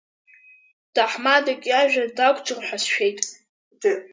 Ҭаҳмадак иажәа дақәӡыр ҳәа сшәеит.